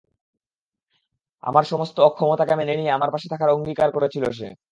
আমার সমস্ত অক্ষমতাকে মেনে নিয়ে আমার পাশে থাকার অঙ্গীকার করেছিল সে।